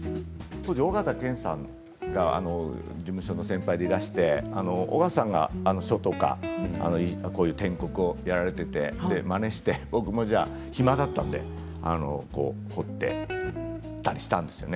当時、緒形拳さんが事務所の先輩でいらっしゃって緒形さんが書やてん刻をやられていてまねして僕も暇だったので彫っていたりしたんですよね。